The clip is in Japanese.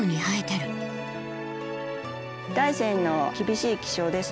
大山の厳しい気象ですね